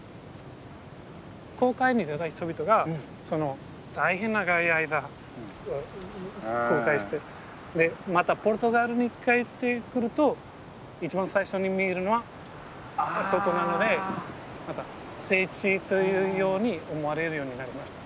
航海に出た人々が大変長い間航海してでまたポルトガルに帰ってくると一番最初に見えるのはあそこなので聖地というように思われるようになりました。